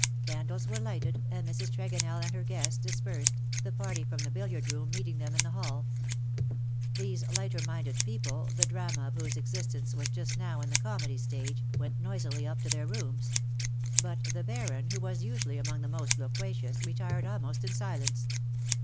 ^^ Candles were lighted,, and Mrs. Tregonell and her guests dispersed, the party from the billiard room meeting them in the hall. These lighter minded people^ the drama of whose existence was just now in the comedy stage, went noisily up to their rooms ; but the Baron^ who was usually among the most loquacious, retired almost in silence.